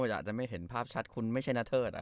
อาจจะไม่เห็นภาพชัดคุณไม่ใช่นาเทิด